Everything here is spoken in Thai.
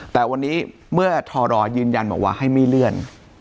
แต่วันนี้เมื่อทรยืนยันบอกว่าให้ไม่เลื่อน